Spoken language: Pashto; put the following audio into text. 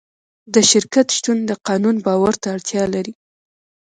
د شرکت شتون د قانون باور ته اړتیا لري.